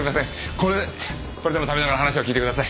これこれでも食べながら話を聞いてください。